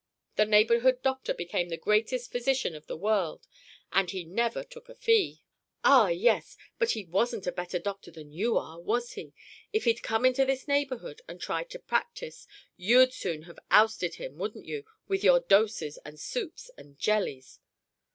The neighborhood doctor became the greatest physician of the world and he never took a fee!" "Ah, yes! But he wasn't a better doctor than you are, was he? If he'd come into this neighborhood and tried to practise, you'd soon have ousted him, wouldn't you, with your doses and soups and jellies?"